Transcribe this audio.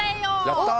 やった！